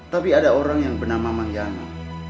tapi ada orang yang bernama mang yana